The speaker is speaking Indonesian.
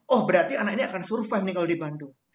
oh berarti anak ini akan survive nih kalau di bandung